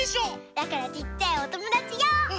だからちっちゃいおともだちよう！